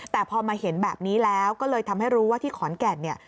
แต่พอมาเห็นแบบนี้แล้วก็เลยทำให้รู้ว่าที่ขอนแก่นเนี่ย